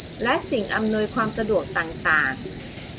และสิ่งอำนวยความสะดวกต่างต่าง